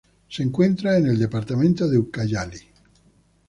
Se encuentra en el departamento de Ucayali.